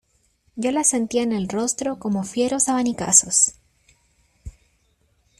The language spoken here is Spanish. yo las sentía en el rostro como fieros abanicazos.